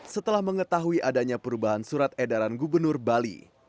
setelah mengetahui adanya perubahan surat edaran gubernur bali